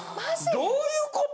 どういうこと！？